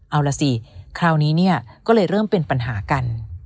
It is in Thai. เอาล่ะสิคราวนี้เนี่ยก็เลยเริ่มเป็นปัญหากัน